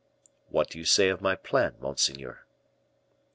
What do you say of my plan, monseigneur?"